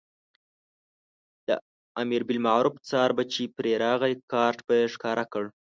د امربالمعروف څار به چې پرې راغی کارټ به یې ښکاره کړ.